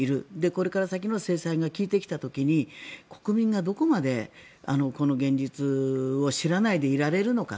これから先の制裁が効いてきた時に国民がどこまでこの現実を知らないでいられるのか。